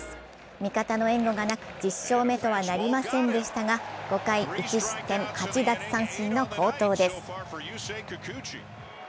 味方の援護がなく１０勝目とはなりませんでしたが５回１失点８奪三振の好投です。